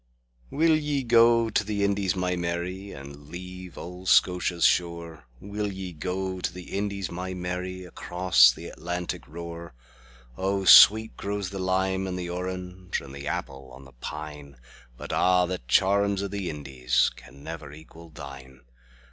WILL ye go to the Indies, my Mary, And leave auld Scotia's shore? Will ye go to the Indies, my Mary, Across th' Atlantic roar?O sweet grows the lime and the orange, And the apple on the pine; But a' the charms o' the IndiesCan never equal thine.